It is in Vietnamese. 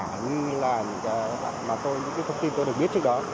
như là những cái thông tin tôi được biết trước đó